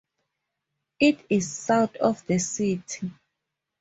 It is south of the city.